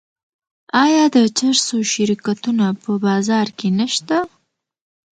آیا د چرسو شرکتونه په بازار کې نشته؟